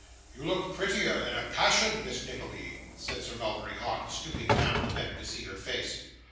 'You look prettier in a passion, Miss Nickleby,' said Sir Mulberry Hawk, stooping down, the better to see her face.